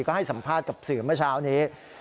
ก็ให้สัมภาษณ์กับสื่อเมื่อเช้านี้